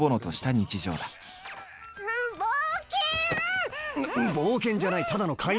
冒険じゃないただの買い物だ。